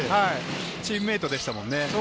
チームメートでしたもんね。